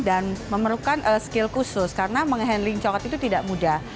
dan memerlukan skill khusus karena menghandling coklat itu tidak mudah